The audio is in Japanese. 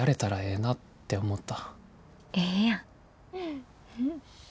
ええやん。